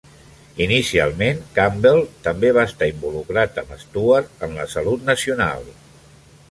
Inicialment, Campbell també va estar involucrat amb Stewart en la Salut Nacional.